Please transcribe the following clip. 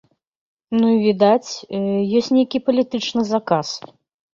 Ну, і, відаць, ёсць нейкі палітычны заказ.